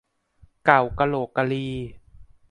เก่ากะโหลกกะลี